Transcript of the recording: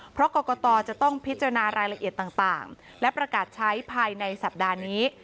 เพราะกรกตจะต้องพิจารณารายละเอียดต่างและประกาศใช้ภายในสัปดาห์นี้